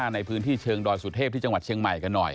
ในพื้นที่เชิงดอยสุเทพที่จังหวัดเชียงใหม่กันหน่อย